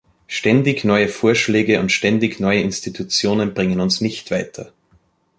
Ständig neue Vorschläge und ständig neue Institutionen bringen uns nicht weiter.